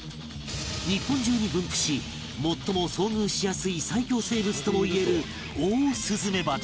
日本中に分布し最も遭遇しやすい最恐生物ともいえるオオスズメバチ